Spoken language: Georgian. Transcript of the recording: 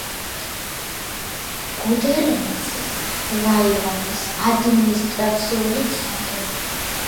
გუდერმესის რაიონის ადმინისტრაციული ცენტრი.